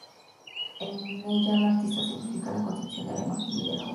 En ella la artista simplifica la concepción de la imagen y de la obra.